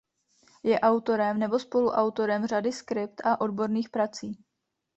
Je autorem nebo spoluautorem řady skript a odborných prací.